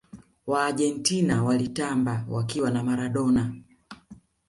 waargentina walitamba wakiwa na maradona